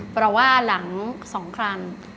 เพราะว่าหลังสองครัม